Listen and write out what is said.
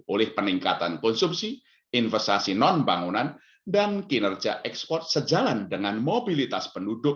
oleh peningkatan konsumsi investasi non bangunan dan kinerja ekspor sejalan dengan mobilitas penduduk